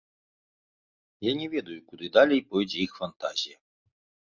Я не ведаю, куды далей пойдзе іх фантазія.